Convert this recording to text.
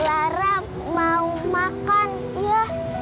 lara mau makan ya